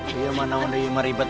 dia mana mana yang meribet